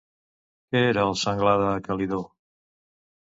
Què era el senglar de Calidó?